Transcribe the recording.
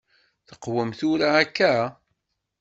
Teqwem tura akka?